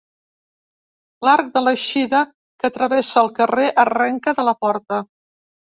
L'arc de l'eixida que travessa el carrer arrenca de la porta.